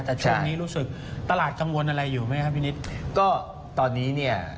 แต่ช่วงนี้รู้สึกตลาดกังวลอะไรอยู่ไหมครับพี่นิดก็ตอนนี้เนี่ย